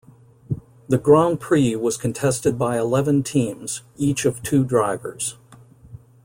The Grand Prix was contested by eleven teams, each of two drivers.